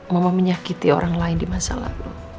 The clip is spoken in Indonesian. mama menyakiti orang lain di masa lalu